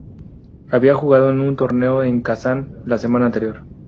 Había jugado en un torneo en Kazán la semana anterior.